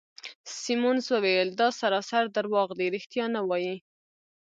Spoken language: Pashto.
سیمونز وویل: دا سراسر درواغ دي، ریښتیا نه وایې.